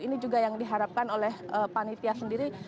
ini juga yang diharapkan oleh panitia sendiri